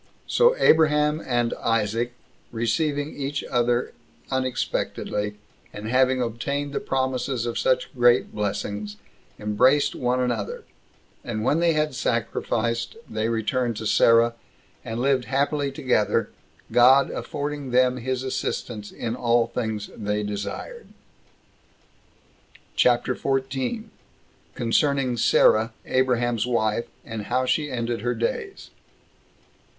So Abraham and Isaac receiving each other unexpectedly, and having obtained the promises of such great blessings, embraced one another; and when they had sacrificed, they returned to Sarah, and lived happily together, God affording them his assistance in all things they desired. CHAPTER 14. Concerning Sarah Abraham's Wife; And How She Ended Her Days.